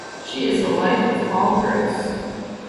She is the wife of Paul Gross.